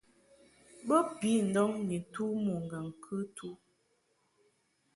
Bo pi ndɔŋ ni tu mo ŋgaŋ-kɨtu.